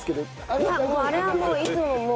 いやもうあれはいつももう。